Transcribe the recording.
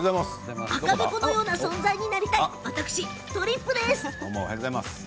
赤べこのような存在になりたい私とりっぷです。